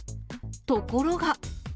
ところが。